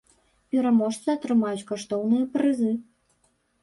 Пераможцы атрымаюць каштоўныя прызы.